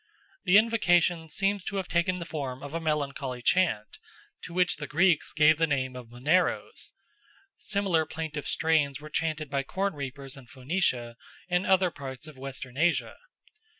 The invocation seems to have taken the form of a melancholy chant, to which the Greeks gave the name of Maneros. Similar plaintive strains were chanted by corn reapers in Phoenicia and other parts of Western Asia.